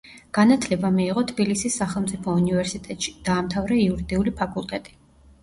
განათლება მიიღო თბილისის სახელმწიფო უნივერსიტეტში, დაამთავრა იურიდიული ფაკულტეტი.